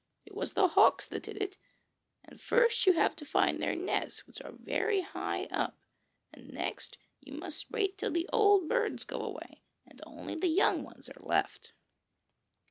'It was the hawks that did it, and first you have to find their nests which are very high up, and next you must wait till the old birds go away, and only the young ones are left.'